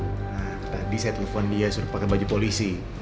nah tadi saya telepon dia suruh pakai baju polisi